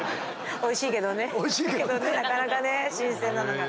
おいしいけどねなかなかね新鮮なのが。